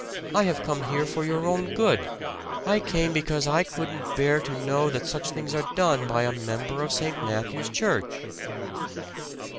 I have come here for your own good! I came because I couldn't bear to know that such things are done by a member of St. Matthew's Church!"